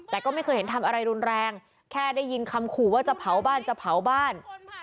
แต่ก็ไม่เคยเห็นทำอะไรรุนแรงแค่ได้ยินคำขู่ว่าจะเผาบ้านจะเผาบ้าน